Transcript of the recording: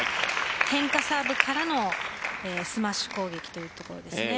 変化サーブからのスマッシュ攻撃というところです。